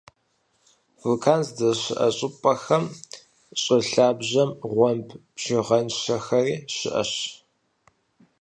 Вулкан здэщыӀэ щӀыпӀэхэм щӀы лъабжьэм гъуэмб бжыгъэншэхэри щыӀэщ.